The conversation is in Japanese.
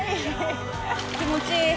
気持ちいい。